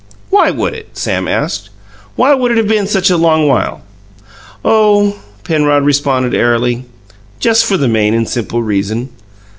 "Why would it?" Sam asked. "Why would it of been such a long while?" "Oh," Penrod responded airily, "just for the main and simple reason!"